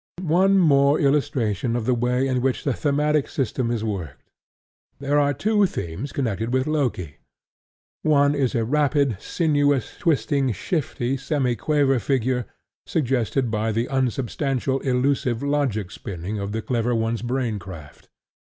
One more illustration of the way in which the thematic system is worked. There are two themes connected with Loki. One is a rapid, sinuous, twisting, shifty semiquaver figure suggested by the unsubstantial, elusive logic spinning of the clever one's braincraft.